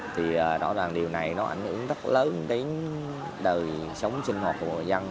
thì đó là điều này nó ảnh hưởng rất lớn đến đời sống sinh hoạt của người dân